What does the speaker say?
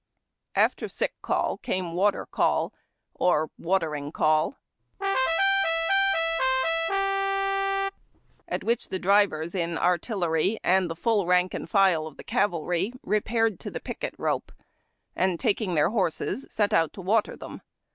After Sick Call came Water Call, or Watering Call, ^— a '^^ I ^1 L^i ^— i = ::J: at which the drivers in artillery and the full rank and file of the cavalry repaired to the picket rope, and, taking their horses, set out to water them.